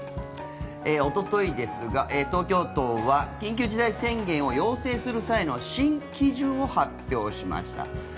おととい、東京都は緊急事態宣言を要請する際の新基準を発表しました。